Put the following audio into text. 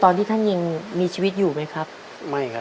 ตอนที่ท่านยังมีชีวิตอยู่ไหมครับไม่ครับ